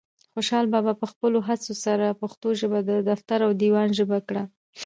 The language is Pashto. خوشحال بابا په خپلو هڅو سره پښتو ژبه د دفتر او دیوان ژبه کړه.